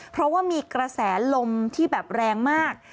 เพราะว่ามีกระแสลมที่แบบแรงมาก